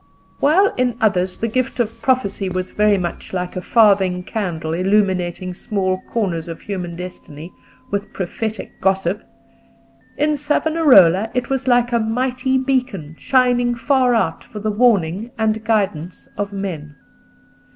While in others the gift of prophecy was very much like a farthing candle illuminating small corners of human destiny with prophetic gossip, in Savonarola it was like a mighty beacon shining far out for the warning and guidance of men.